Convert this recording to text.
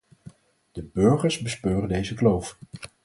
De burgers bespeuren deze kloof.